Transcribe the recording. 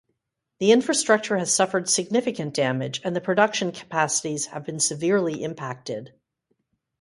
The infrastructure has suffered significant damage, and the production capacities have been severely impacted.